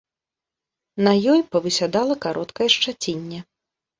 На ёй павысядала кароткае шчацінне.